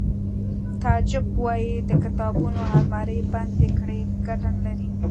تعجب وایی د کتابونو المارۍ بندې کړئ ګټه نلري